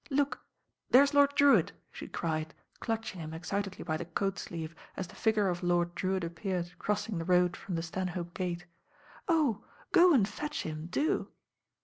Look! there's Lord Drewitt," she cried, clutching him excitedly by the coat sleeve, as the figure of Lord Drewitt appeared crossing the road from the Stan hope Gate. "Oh I go and fetch him, do."